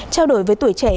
trao đổi với tuổi trẻ